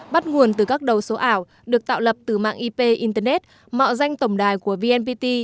bắt nguồn từ các đầu số ảo được tạo lập từ mạng ip internet mạo danh tổng đài của vnpt